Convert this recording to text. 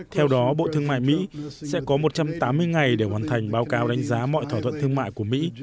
theo đó bộ thương mại mỹ sẽ có một trăm tám mươi ngày để hoàn thành báo cáo đánh giá mọi thỏa thuận thương mại của mỹ